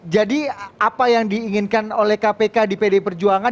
jadi apa yang diinginkan oleh kpk di pdi perjuangan